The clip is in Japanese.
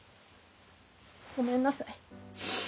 ごめんなさい。